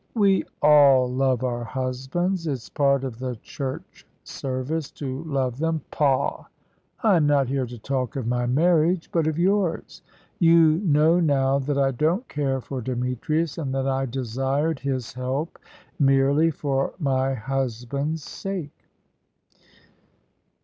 "We all love our husbands it's part of the Church Service to love them. Pah! I am not here to talk of my marriage, but of yours. You know now that I don't care for Demetrius, and that I desired his help merely for my husband's sake."